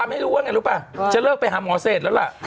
ธรรมให้รู้ว่ากจะลืมฮ์เซทแล้วละ